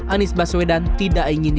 anies baswedan tidak kunjung memutuskan